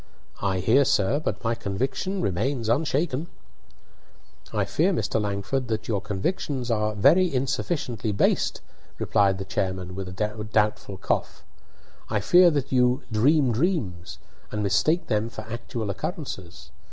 "I hear, sir; but my conviction remains unshaken." "I fear, Mr. Langford, that your convictions are very insufficiently based," replied the chairman, with a doubtful cough." I fear that you 'dream dreams,' and mistake them for actual occurrences.